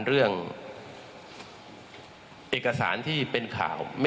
เรื่องเอกสารที่เป็นข่าว